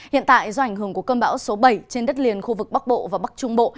hiện tại do ảnh hưởng của cơn bão số bảy trên đất liền khu vực bắc bộ và bắc trung bộ